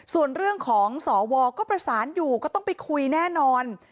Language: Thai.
ส่วนเรื่องของสวก็ประสานอยู่ก็ต้องไปคุยแน่นอน